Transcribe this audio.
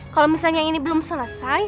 kalau misalnya ini belum selesai